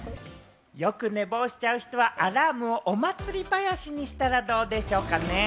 よく寝坊しちゃう人はアラームをお祭り囃子にしたらどうでしょうかね？